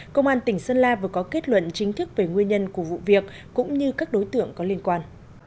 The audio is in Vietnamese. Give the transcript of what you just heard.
công an tỉnh sơn la vừa có kết luận chính thức về nguyên nhân của vụ việc cũng như các đối tượng có liên quan